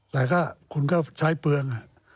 แต่ก็คุณก็ใช้เปลือง